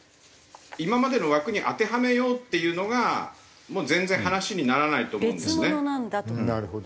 今までの枠に当てはめようっていうのがもう全然話にならないと思うんですね。